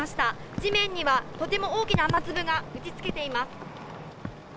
地面にはとても大きな雨粒が打ちつけています。